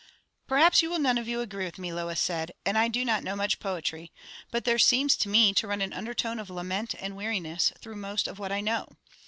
"Perhaps you will none of you agree with me," Lois said; "and I do not know much poetry; but there seems to me to run an undertone of lament and weariness through most of what I know.